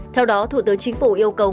theo đó thủ tướng chính phủ yêu cầu